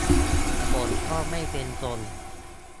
ผมก็ไม่เป็นทรง